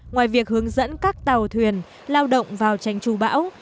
ngoài việc hướng dẫn các tàu thuyền lao động vào tránh trú bão